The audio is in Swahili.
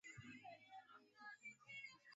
ametangaza nia yake ya kujiuzulu nafasi yake